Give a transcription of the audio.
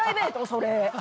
それ」